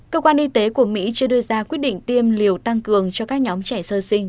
cơ quan y tế của mỹ chưa đưa ra quyết định tiêm liều tăng cường cho các nhóm trẻ sơ sinh